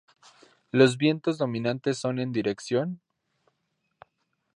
Los vientos dominantes son en dirección..?